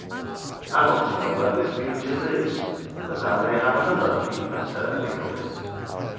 I want to know where this beauty lives, that I may have another peep at her, Nickleby.